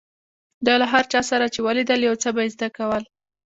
ده له هر چا سره چې ولیدل، يو څه به يې زده کول.